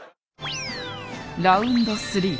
ラウンド３。